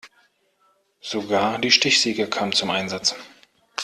Sogar die Stichsäge kam zum Einsatz.